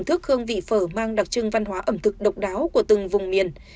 thước hương vị phở mang đặc trưng văn hóa ẩm thực độc đáo của từng vùng miền